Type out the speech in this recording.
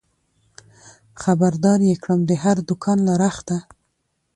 خبر دار يې کړم د هر دوکان له رخته